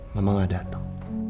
mama gak dateng